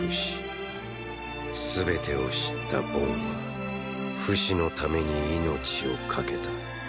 全てを知ったボンはフシのために命をかけた。